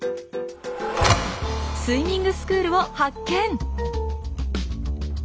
スイミングスクールを発見！